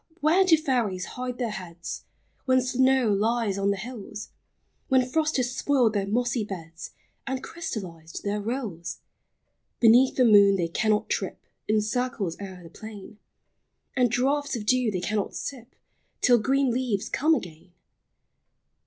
where do fairies hide their heads, When snow lies on the hills, When frost has spoiled their mossy beds, And crystallized their rills? Beneath the moon they cannot trip In circles o'er the plain ; And draughts of dew they cannot sip, Till green leaves come again.